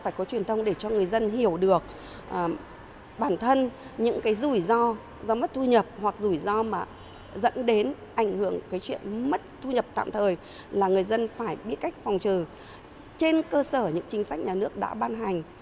phải có truyền thông để cho người dân hiểu được bản thân những cái rủi ro do mất thu nhập hoặc rủi ro mà dẫn đến ảnh hưởng cái chuyện mất thu nhập tạm thời là người dân phải biết cách phòng trừ trên cơ sở những chính sách nhà nước đã ban hành